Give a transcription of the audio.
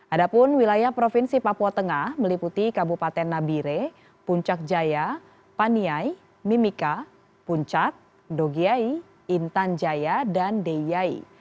ada pun wilayah provinsi papua tengah meliputi kabupaten nabire puncak jaya paniai mimika puncak dogiai intan jaya dan deyai